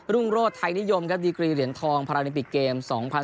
รุ่งโรธไทยนิยมครับดีกรีเหรียญทองพาราลิมปิกเกม๒๐๑๖